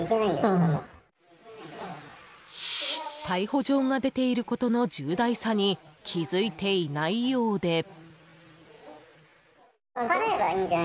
逮捕状が出ていることの重大さに気づいていないようで。